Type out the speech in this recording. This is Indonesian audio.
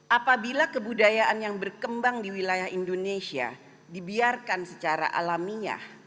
apabila kebudayaan yang berkembang di wilayah indonesia dibiarkan secara alamiah